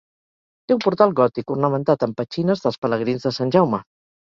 Té un portal gòtic, ornamentat amb petxines dels pelegrins de Sant Jaume.